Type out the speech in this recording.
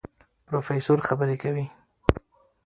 پروفېسر خبرې کوي.